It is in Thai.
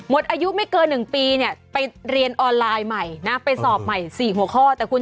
ประสบการณ์มาแชร์กัน